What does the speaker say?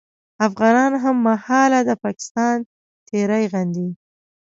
افغانان هممهاله د پاکستان تېری غندي